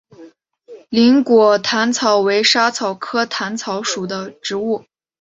菱果薹草为莎草科薹草属的植物。